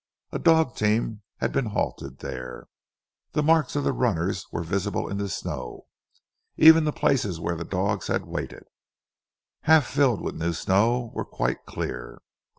A dog team had been halted there. The marks of the runners were visible in the snow, even the places where the dogs had waited, half filled with new snow, were quite clear.